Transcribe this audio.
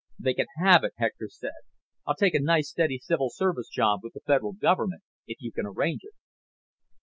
"They can have it," Hector said. "I'll take a nice steady civil service job with the Federal Government, if you can arrange it."